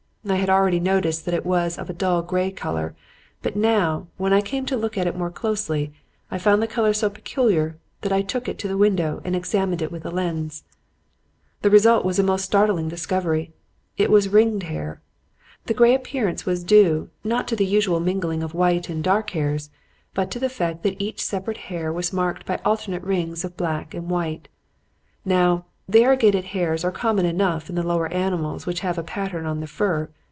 I had already noticed that it was of a dull gray color, but now, when I came to look at it more closely, I found the color so peculiar that I took it to the window and examined it with a lens. [Footnote 1: The narrative seems to have been written in 1890. L.W.] "The result was a most startling discovery. It was ringed hair. The gray appearance was due, not to the usual mingling of white and dark hairs, but to the fact that each separate hair was marked by alternate rings of black and white. Now, variegated hairs are common enough in the lower animals which have a pattern on the fur.